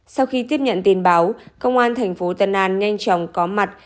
sau khi tiếp nhận tin báo công an thành phố tân an nhanh chóng có mặt